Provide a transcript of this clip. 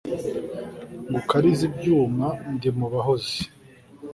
ngukarize ibyuma ndi mu bahozi